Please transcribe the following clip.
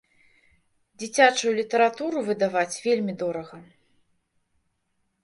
Дзіцячую літаратуру выдаваць вельмі дорага.